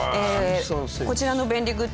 こちらの便利グッズ